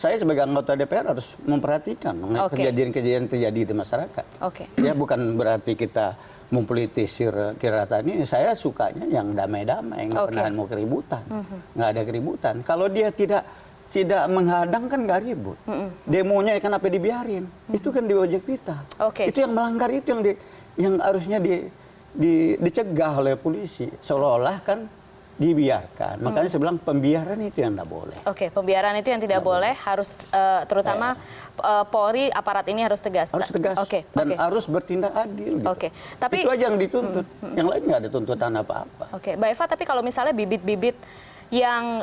yang dituntut yang lainnya ada tuntutan apa apa oke mbak eva tapi kalau misalnya bibit bibit yang